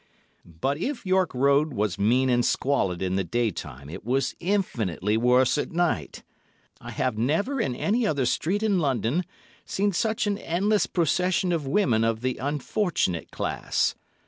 But if York Road was mean and squalid in the day time, it was infinitely worse at night. I have never in any other street in London seen such an endless procession of women of the unfortunate class.